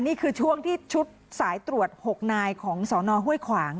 นี่คือช่วงที่ชุดสายตรวจ๖นายของสนห้วยขวาง